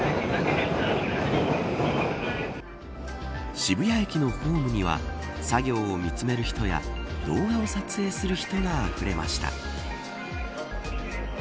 渋谷駅のホームには作業を見つめる人や動画を撮影する人があふれました。